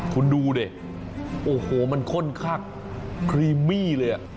คุณดูดิโอ้โหมันค่อนข้างครีมมี่เลย